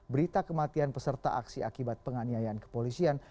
berita kematian peserta aksi akibat penganiayaan kepolisian